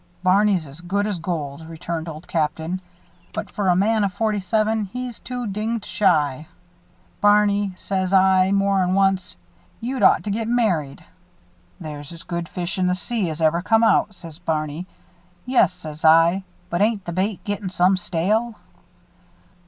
"Barney's as good as gold," returned Old Captain. "But, for a man of forty seven, he's too dinged shy. 'Barney,' says I, more'n once, 'you'd ought to get married.' 'There's as good fish in the sea as ever come out,' says Barney. 'Yes,' says I, 'but ain't the bait gittin' some stale?'"